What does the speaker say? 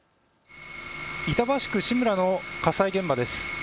板橋区志村の火災現場です。